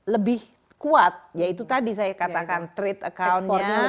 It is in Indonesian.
lebih kuat yaitu tadi saya katakan trade account nya